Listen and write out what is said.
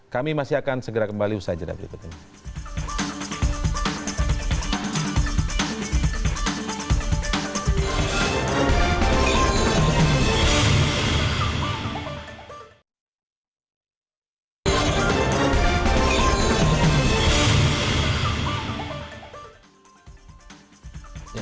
kami masih akan segera kembali usai cerita berikutnya